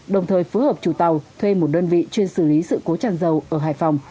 đồng thời phối hợp chủ tàu thuê một đơn vị chuyên xử lý sự cố tràn dầu ở hải phòng